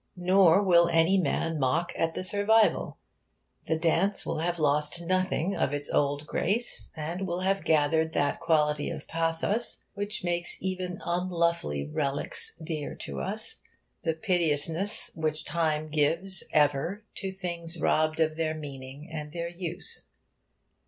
Nor will any man mock at the survival. The dance will have lost nothing of its old grace, and will have gathered that quality of pathos which makes even unlovely relics dear to us that piteousness which Time gives ever to things robbed of their meaning and their use.